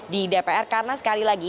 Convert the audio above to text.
di dpr karena sekali lagi